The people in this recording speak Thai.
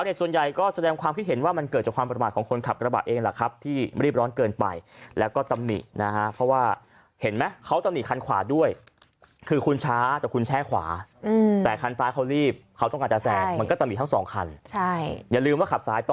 เพื่อที่จะหลบรถจากกายานยนต์